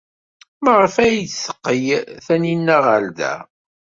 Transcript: Maɣef ay d-teqqel Taninna ɣer da?